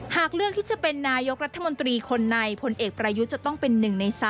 หากเลือกที่จะเป็นนายกรัฐมนตรีคนในพลเอกประยุทธ์จะต้องเป็น๑ใน๓